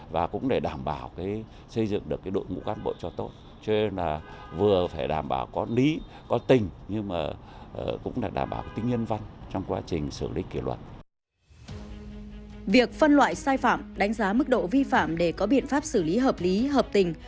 việc phân loại sai phạm đánh giá mức độ vi phạm để có biện pháp xử lý hợp lý hợp tình